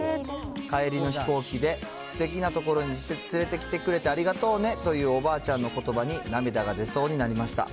帰りの飛行機で、すてきな所に連れてきてくれてありがとうねというおばあちゃんのことばに、涙が出そうになりました。